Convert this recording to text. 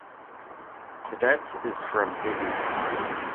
Cadet is from Haiti.